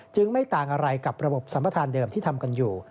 ไม่ต่างอะไรกับระบบสัมประธานเดิมที่ทำกันอยู่